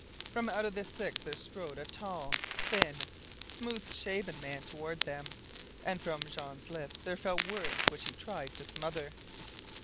From out of the six there strode a tall, thin, smooth shaven man toward them, and from Jean's lips there fell words which he tried to smother.